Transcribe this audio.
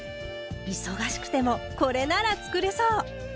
忙しくてもこれなら作れそう！